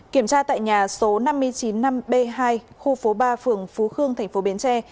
kiểm tra tại nhà số năm trăm chín mươi năm b hai khu phố ba phường phú khương tp bến tre